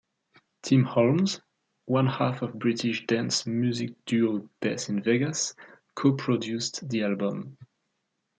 Tim Holmes, one-half of British dance music duo Death In Vegas, co-produced the album.